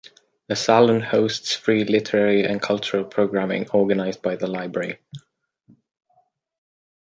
The Salon hosts free literary and cultural programming organized by the library.